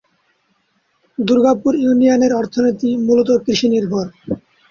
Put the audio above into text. দুর্গাপুর ইউনিয়নের অর্থনীতি মূলত কৃষি নির্ভর।